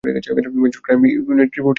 Major crime unit reporting.